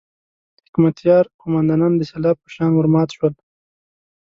حکمتیار قوماندانان د سېلاب په شان ورمات شول.